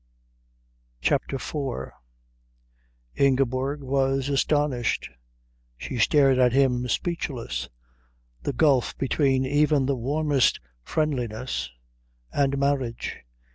CHAPTER IV Ingeborg was astonished. She stared at him speechless. The gulf between even the warmest friendliness and marriage!